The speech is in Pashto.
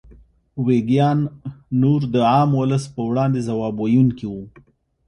ویګیان نور د عام ولس په وړاندې ځواب ویونکي وو.